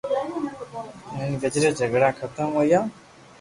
ھين گڄري جگڙا ختم ھويا